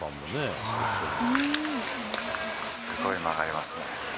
すごい曲がりますね。